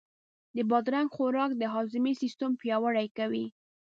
د بادرنګ خوراک د هاضمې سیستم پیاوړی کوي.